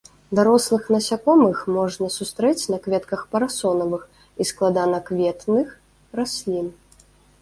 Дарослых насякомых можна сустрэць на кветках парасонавых і складанакветных раслін.